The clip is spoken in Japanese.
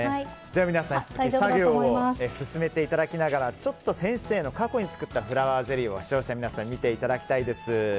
では皆さん作業を進めていただきながら先生の過去に作ったフラワーゼリーを視聴者の皆さんに見ていただきたいです。